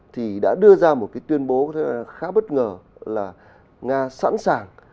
thì đã đưa ra một cái tuyên bố khá bất ngờ là nga sẵn sàng